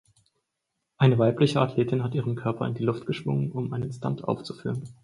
Eine weibliche Athletin hat ihren Körper in die Luft geschwungen, um einen Stunt aufzuführen.